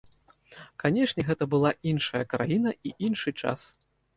Канешне, гэта была іншая краіна і іншы час.